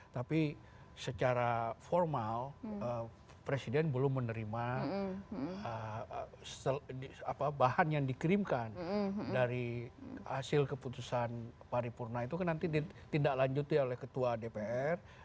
tapi secara formal presiden belum menerima bahan yang dikirimkan dari hasil keputusan paripurna itu kan nanti ditindaklanjuti oleh ketua dpr